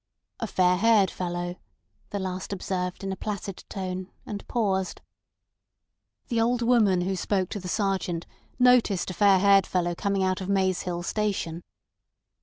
"A fair haired fellow," the last observed in a placid tone, and paused. "The old woman who spoke to the sergeant noticed a fair haired fellow coming out of Maze Hill Station."